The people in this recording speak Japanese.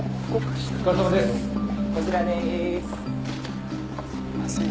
こちらでーす。